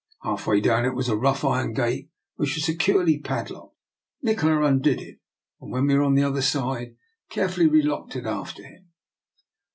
Half way down it was a rough iron gate which was securely pad locked. Nikola undid it, and when we were on the other side carefully relocked it after him.